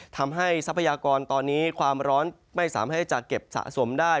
ทรัพยากรตอนนี้ความร้อนไม่สามารถที่จะเก็บสะสมได้